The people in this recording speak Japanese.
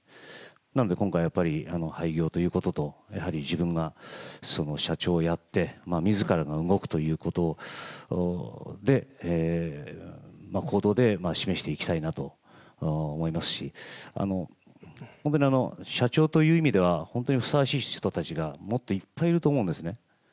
なので、今回やっぱり廃業ということと、やはり自分が社長をやって、みずからが動くということで行動で示していきたいなと思いますし、本当に社長という意味では、本当にふさわしい人たちがもっといっぱいいると思うんですね。